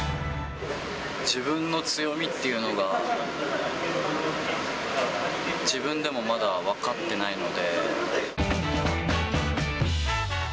自分の強みっていうのが、自分でもまだ分かってないので。